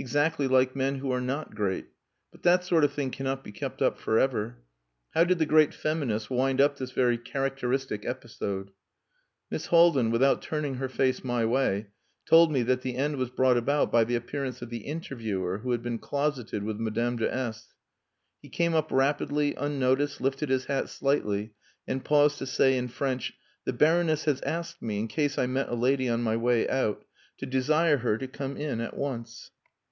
"Exactly like men who are not great. But that sort of thing cannot be kept up for ever. How did the great feminist wind up this very characteristic episode?" Miss Haldin, without turning her face my way, told me that the end was brought about by the appearance of the interviewer, who had been closeted with Madame de S . He came up rapidly, unnoticed, lifted his hat slightly, and paused to say in French: "The Baroness has asked me, in case I met a lady on my way out, to desire her to come in at once."